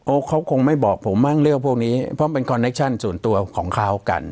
เขาคงไม่บอกผมมั้งเรื่องพวกนี้เพราะเป็นคอนเคชั่นส่วนตัวของเขากัน